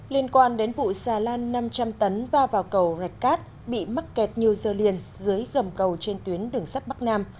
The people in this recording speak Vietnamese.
liên quan đến vụ xà lan năm trăm linh tấn va vào cầu rạch cát bị mắc kẹt nhiều giờ liền dưới gầm cầu trên tuyến đường sắt bắc nam